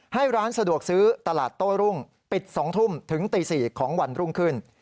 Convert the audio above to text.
ให้ร้านสะดวกซื้อตลาดโต้รุ่งปิด๒ทุ่มถึงตี๔ของวันรุ่งขึ้น